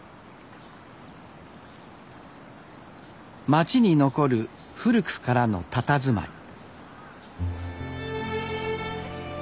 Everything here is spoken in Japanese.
街に残る古くからのたたずまい。